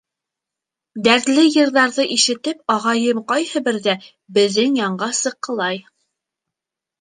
Дәртле йырҙарҙы ишетеп, ағайым ҡайһы берҙә беҙҙең янға сыҡҡылай.